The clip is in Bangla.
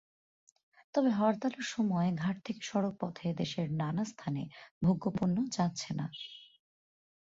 তবে হরতালের সময় ঘাট থেকে সড়কপথে দেশের নানা স্থানে ভোগ্যপণ্য যাচ্ছে না।